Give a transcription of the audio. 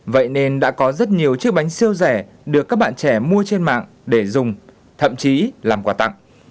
vậy nên đã có rất nhiều chiếc bánh siêu rẻ được các bạn trẻ mua trên mạng để dùng thậm chí làm quà tặng